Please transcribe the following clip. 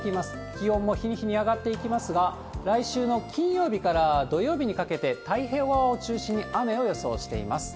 気温も日に日に上がっていきますが、来週の金曜日から土曜日にかけて、太平洋側を中心に雨を予想しています。